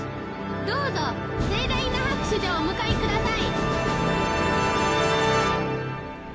どうぞ盛大な拍手でお迎えください。